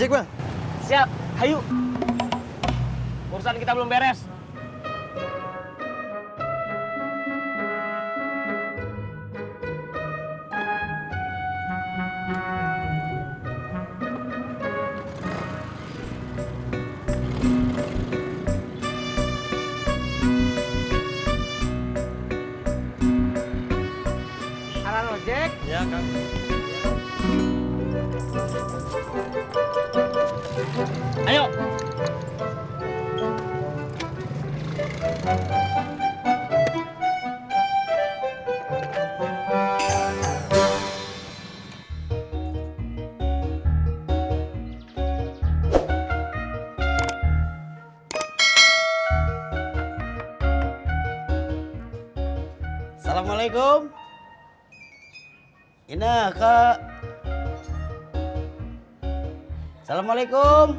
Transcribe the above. wah sama dong